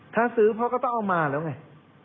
ถ้าซื้อพ่อก็ต้องเอามาแล้วไง